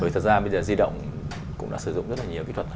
bởi thật ra bây giờ di động cũng đã sử dụng rất là nhiều kỹ thuật